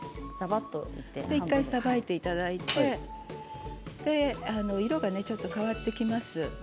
１回、さばいていただいて色がちょっと変わってきます。